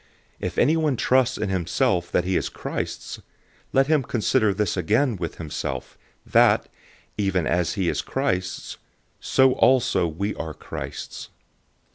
If anyone trusts in himself that he is Christ's, let him consider this again with himself, that, even as he is Christ's, so also we are Christ's.